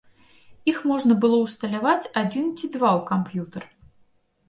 Іх можна было ўсталяваць адзін ці два ў камп'ютар.